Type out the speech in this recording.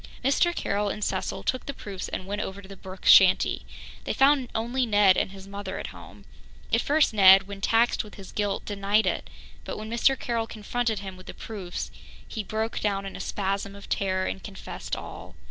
Mr. Carroll and Cecil took the proofs and went over to the Brooke shanty. They found only Ned and his mother at home. At first Ned, when taxed with his guilt, denied it, but when Mr. Carroll confronted him with the proofs, he broke down in a spasm of terror and confessed all.